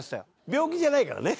病気じゃないからね。